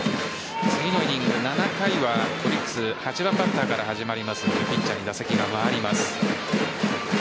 次のイニング７回はオリックス８番バッターから始まりますのでピッチャーに打席が回ります。